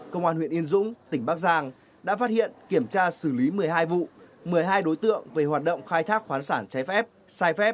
công an huyện yên dũng tỉnh bắc giang đã phát hiện kiểm tra xử lý một mươi hai vụ một mươi hai đối tượng về hoạt động khai thác khoán sản trái phép sai phép